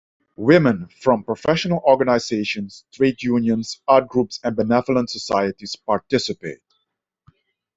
Women from professional organizations, trade unions, arts groups and benevolent societies participate.